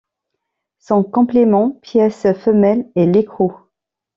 Son complément, pièce femelle est l'écrou.